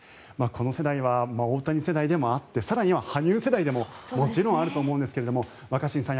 この世代は大谷世代でもあって更には羽生世代でももちろんあると思うんですが若新さん